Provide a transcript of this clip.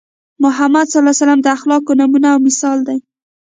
محمد ص د اخلاقو نمونه او مثال دی.